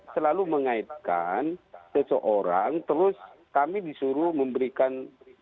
jadi itu mengaitkan seseorang terus kami disuruh memberikan